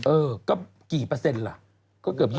เออก็กี่เปอร์เซ็นต์ล่ะก็เกือบ๒๐